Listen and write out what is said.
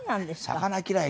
魚嫌い。